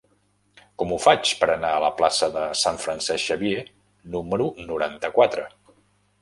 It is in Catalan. Com ho faig per anar a la plaça de Sant Francesc Xavier número noranta-quatre?